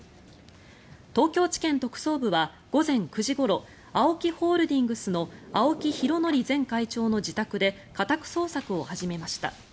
東京地検特捜部は午前９時ごろＡＯＫＩホールディングスの青木拡憲前会長の自宅で家宅捜索を始めました。